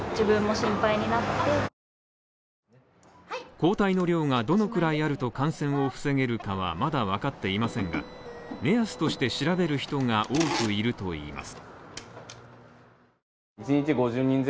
抗体の量がどのくらいあると感染を防げるかはまだわかっていませんが目安として調べる人が多くいるといいます。